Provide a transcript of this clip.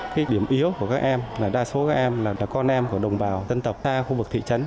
cái điểm yếu của các em là đa số các em là con em của đồng bào dân tộc ta khu vực thị trấn